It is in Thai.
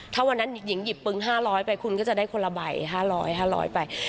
ถ้าวันนั้นหญิงหยิบปึง๕๐๐ไปคุณก็จะได้คนละใบ๕๐๐๕๐๐ไป